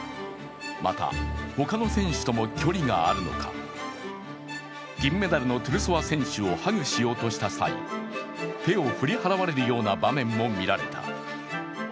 また、他の選手とも距離があるのか銀メダルのトゥルソワ選手をハグしようとした際手を振り払われるような場面も見られた。